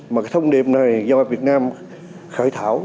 mà cái thông điệp này do việt nam khởi thảo